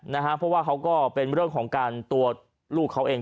เพราะว่าเขาก็เป็นเรื่องของการตัวลูกเขาเอง